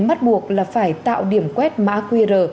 mắt buộc là phải tạo điểm quét mã qr